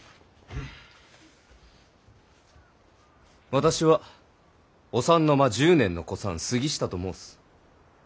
私はお三の間１０年の古参杉下と申す。